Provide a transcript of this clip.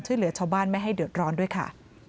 ช่วยเหลือชาวบ้านไม่ให้เดือดร้อนด้วยค่ะ